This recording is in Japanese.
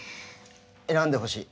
選んでほしい。